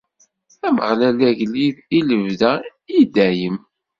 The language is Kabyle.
Ameɣlal, d agellid i lebda, i dayem.